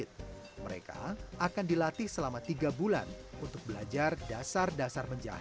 terus selamanya terus